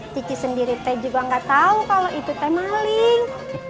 kiki sendiri teh juga nggak tahu kalau itu teh maling